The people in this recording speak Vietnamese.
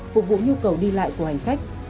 phục vụ nhu cầu đi lại của hành khách